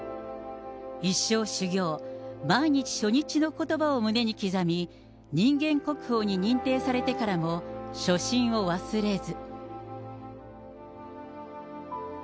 一生修業、毎日初日のことばを胸に刻み、人間国宝に認定されてからも、初心を忘れず。